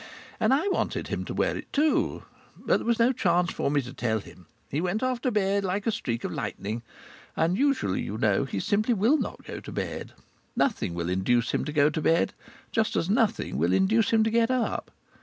And I wanted him to wear it too. But there was no chance for me to tell him. He went off to bed like a streak of lightning. And usually, you know, he simply will not go to bed. Nothing will induce him to go to bed, just as nothing will induce him to get up.